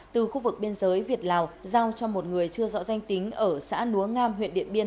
từ khu vực biên giới việt lào giao cho một người chưa rõ danh tính ở xã núa ngam huyện điện biên